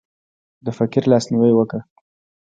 د فقیر لاس نیوی وکړه.